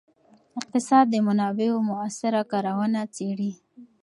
اقتصاد د منابعو مؤثره کارونه څیړي.